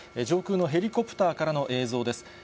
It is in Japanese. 上空のヘリコプターからの映像です。